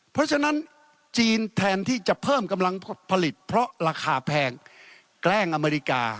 เพราะฉะนั้นจีนแทนที่จะเพิ่มกำลังผลิตเพราะราคาแพงแกล้งอเมริกา